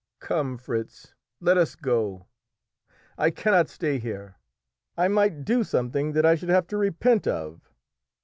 Come, Fritz, let us go. I cannot stay here. I might do something that I should have to repent of!"